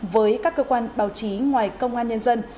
với các cơ quan báo chí ngoài công an nhân dân